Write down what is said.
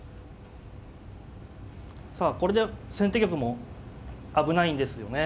さあこれで先手玉も危ないんですよね。